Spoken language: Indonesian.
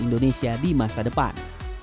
indonesia di masa depan